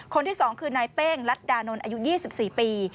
คนที่๒คือนายเป้งรัฐดานนท์อายุ๒๔ปี